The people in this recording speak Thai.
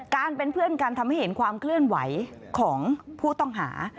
เป็นเพื่อนกันทำให้เห็นความเคลื่อนไหวของผู้ต้องหา